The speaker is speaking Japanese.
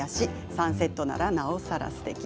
サンセットならなおさらすてき。